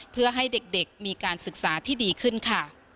เพื่อให้เด็กมีการศึกษาที่ดีขึ้นค่ะ